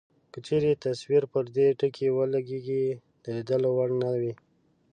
که چیرې تصویر پر دې ټکي ولویږي د لیدلو وړ نه وي.